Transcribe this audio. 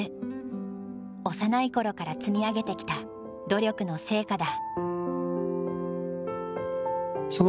幼い頃から積み上げてきた努力の成果だ。